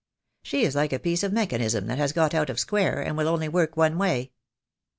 She is like a piece of mechanism that has got out of square, and will only work one way.